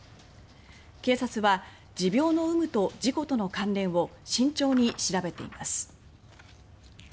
警察は持病の有無と事故との関連を慎重に調べています。